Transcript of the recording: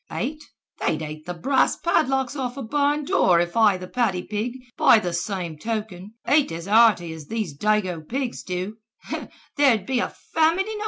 Ate? They'd ate the brass padlocks off of a barn door I If the paddy pig, by the same token, ate as hearty as these dago pigs do, there'd be a famine in Ireland."